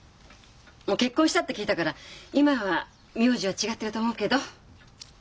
もう結婚したって聞いたから今は名字は違ってると思うけど。